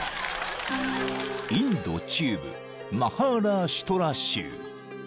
［インド中部マハーラーシュトラ州］